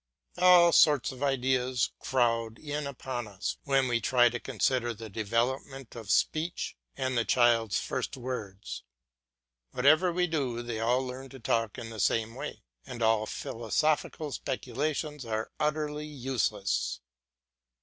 All sorts of ideas crowd in upon us when we try to consider the development of speech and the child's first words. Whatever we do they all learn to talk in the same way, and all philosophical speculations are utterly useless.